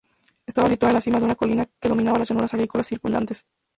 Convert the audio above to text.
Estaba situada en la cima de una colina que dominaba las llanuras agrícolas circundantes.